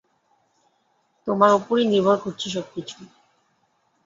তোমার ওপরই নির্ভর করছে সবকিছু।